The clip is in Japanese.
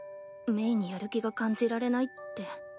「鳴にやる気が感じられない」って。